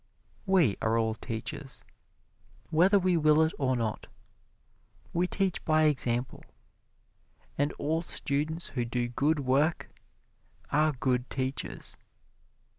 We are all teachers, whether we will it or not we teach by example, and all students who do good work are good teachers.